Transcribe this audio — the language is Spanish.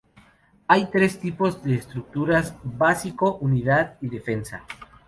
Hay tres tipos de estructuras: básico, unidad, y defensa.